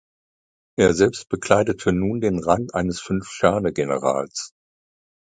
Er selbst bekleidete nun den Rang eines Fünf-Sterne-Generals.